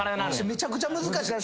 めちゃくちゃ難しい。